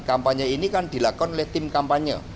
kampanye ini kan dilakukan oleh tim kampanye